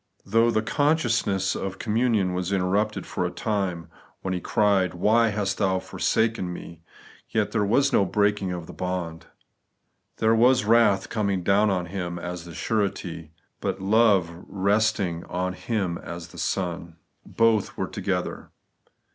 Though the consciousness of communion was interrupted for a time, when He cried, ' Why hast Thou forsaken me ?' yet there was no breaking of the bond. There was wrath coming down on Him as the Surety, but love rest ing on Him as the Son. Both were together.